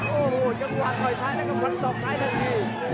โอ้โหจำกว่าต่อยท้ายแล้วก็พันสองท้ายทันที